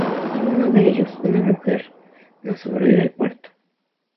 Solo uno de ellos, una mujer, no sobrevive al parto.